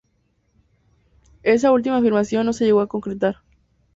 Esa última afirmación no se llegó a concretar.